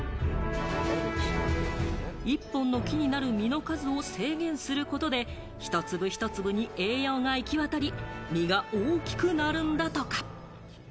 一本の木になる実の数を制限することで、一粒一粒に栄養が行き渡り、実が大きくなるんだとか。